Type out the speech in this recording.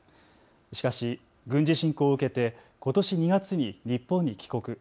しかし軍事侵攻を受けてことし２月に日本に帰国。